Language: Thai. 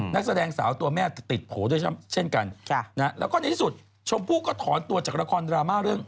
นักแสดงสาวตัวแม่ติดโผล่ด้วยเช่นกันแล้วก็ในที่สุดชมพู่ก็ถอนตัวจากละครดราม่าเรื่อง